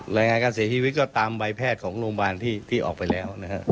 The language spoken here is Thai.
รายงานการเสียชีวิตก็ตามใบแพทย์ของโรงพยาบาลที่ออกไปแล้วนะครับ